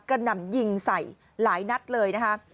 หนำยิงใส่หลายนัดเลยนะคะ